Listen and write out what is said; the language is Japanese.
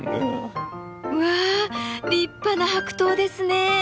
わあ立派な白桃ですね。